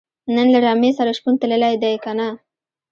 نن له رمې سره شپون تللی دی که نۀ